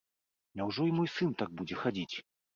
Няўжо і мой сын так будзе хадзіць?